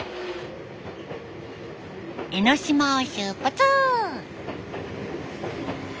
江ノ島を出発！